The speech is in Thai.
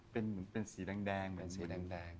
เป็นสีแดง